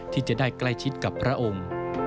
ที่จะได้ใกล้ชิดกับพระองค์